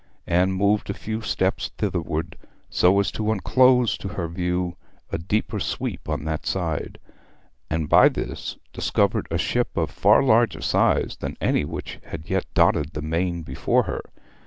Anne moved a few steps thitherward, so as to unclose to her view a deeper sweep on that side, and by this discovered a ship of far larger size than any which had yet dotted the main before her.